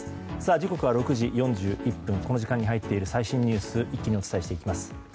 時刻は６時４１分この時間に入っている最新ニュースを一気にお伝えします。